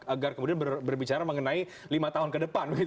agar kemudian berbicara mengenai lima tahun ke depan